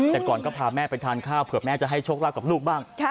แต่ก่อนก็พาแม่ไปทานข้าวเผื่อแม่จะให้โชคลาภกับลูกบ้าง